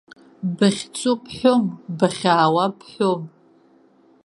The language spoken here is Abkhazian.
Бахьцо бҳәом, бахьаауа бҳәом.